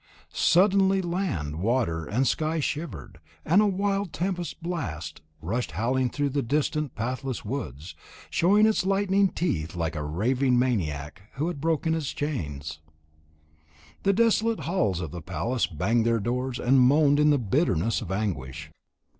Suddenly land, water, and sky shivered, and a wild tempest blast rushed howling through the distant pathless woods, showing its lightning teeth like a raving maniac who had broken his chains. The desolate halls of the palace banged their doors, and moaned in the bitterness of anguish.